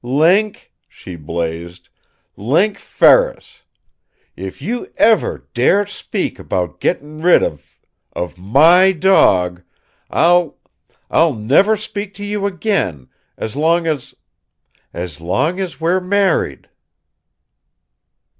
"Link!" she blazed. "Link Ferris! If you ever dare speak about getting rid of of MY dog, I'll I'll never speak to you again, as long as as long as we're married!"